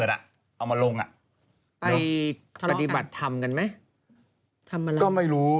สีเขียว